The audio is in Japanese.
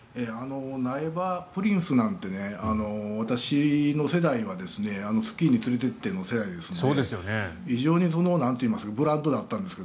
苗場プリンスなんて私の世代は「スキーに連れていって」の世代ですので非常にブランドだったんですが。